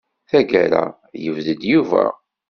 Tagara, yebded Yuba.